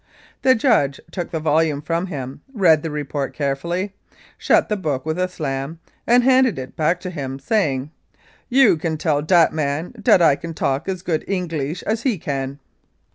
The judge took the volume from him, read the report carefully, shut the book with a slam, and handed it back to him, saying, "You can tell dat man dat I can talk as good Engleesh as he can